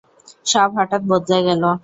সব হঠাৎ বদলে গেল।